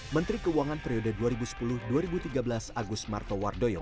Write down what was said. menteri keuangan periode dua ribu sepuluh dua ribu tiga belas agus martowardoyo